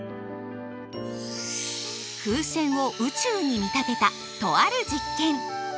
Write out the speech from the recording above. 風船を宇宙に見立てたとある実験！